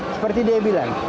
seperti dia bilang